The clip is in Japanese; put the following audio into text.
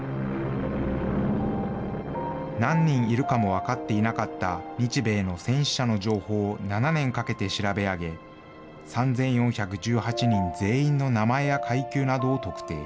何人いるかも分かっていなかった日米の戦死者の情報を７年かけて調べ上げ、３４１８人全員の名前や階級などを特定。